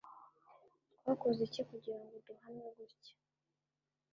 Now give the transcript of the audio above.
twakoze iki kugirango duhanwe gutya